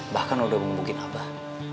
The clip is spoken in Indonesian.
bahkan udah membukin abah